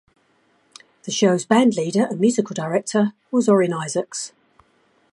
The show's bandleader and musical director was Orin Isaacs.